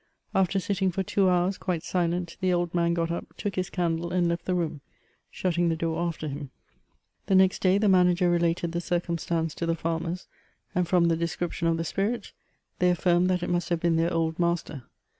After sitting for two hours, quite silent, the old man got up, took his candle, and left the room, shutting the door after him. The next day, the manager related the circumstance to the farmers, and from the description of the spirit, they affirmed that 202 BfEMOmS OF it must have been their old master.